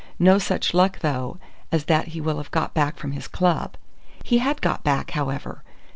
No such luck, though, as that he will have got back from his club!" He had got back, however.